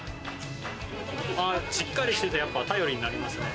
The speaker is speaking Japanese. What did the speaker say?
しっかりしてて頼りになりますね。